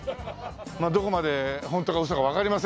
まあどこまでホントかウソかわかりませんけどもね。